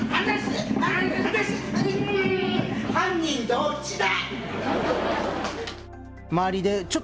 犯人どっちだ？